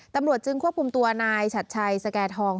ตำรวจจึงควบคุมตัวนายชัดชัยสแก่ทอง